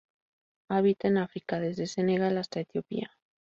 Habita en África desde Senegal hasta Etiopía.